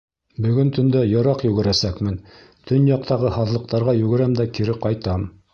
Бөгөн төндә йыраҡ йүгерәсәкмен, төньяҡтағы һаҙлыҡтарға йүгерәм дә кире ҡайтам.